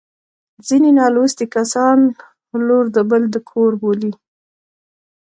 ځیني نالوستي کسان لور د بل د کور بولي